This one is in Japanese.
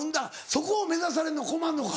そこを目指されるのは困るのか。